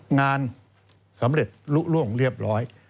งานสำเร็จลุล่วงเรียบร้อย